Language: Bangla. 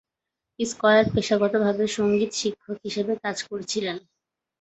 স্কয়ার পেশাগতভাবে সঙ্গীত শিক্ষক হিসাবে কাজ করেছিলেন।